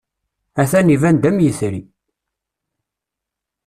Atan iban-d am yetri.